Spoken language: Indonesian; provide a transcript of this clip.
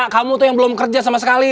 kamu tuh yang belum kerja sama sekali